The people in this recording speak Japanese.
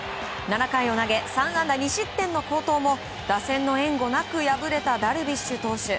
７回を投げ３安打２失点の好投も打線の援護なく敗れたダルビッシュ投手。